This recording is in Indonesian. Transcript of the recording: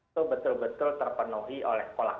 itu betul betul terpenuhi oleh sekolah